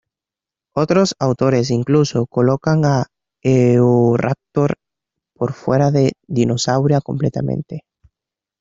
Otros autores incluso colocan a "Eoraptor" por fuera de Dinosauria completamente.